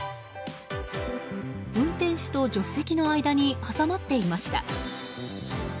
運転席と助手席の間に挟まっていました。